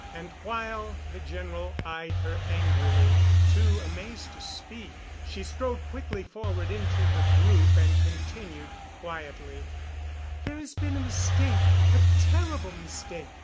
And while the General eyed her angrily, too amazed to speak, she strode quickly forward into the group and continued quietly, "There has been a mistake—a terrible mistake.